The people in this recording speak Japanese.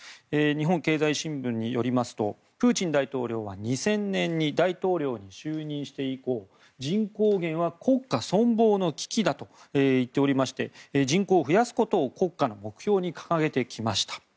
日本経済新聞によりますとプーチン大統領は２０００年に大統領に就任して以降人口減は国家存亡の危機だと言っておりまして人口を増やすことを国家の目標に掲げてきました。